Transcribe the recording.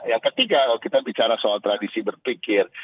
yang ketiga kalau kita bicara soal tradisi berpikir